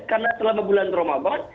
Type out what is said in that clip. karena selama bulan ramadan